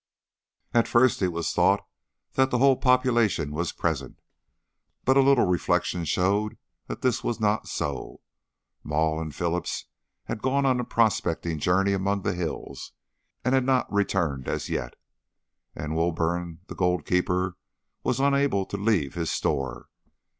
At first it was thought that the whole population was present, but a little reflection showed that this was not so. Maule and Phillips had gone on a prospecting journey among the hills, and had not returned as yet, and Woburn, the gold keeper, was unable to leave his store.